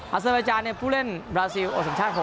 อาซาวิจารณ์เนี่ยผู้เล่นบราซิลโอสังชาติ๖